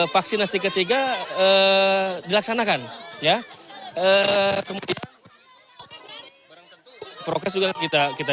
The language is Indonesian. vaksinasi ketiga dilaksanakan ya kemungkinan progres juga kita kita